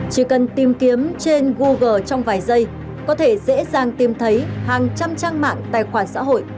chỉ cần tìm kiếm trên google trong vài giây có thể dễ dàng tìm thấy hàng trăm trang mạng tài khoản xã hội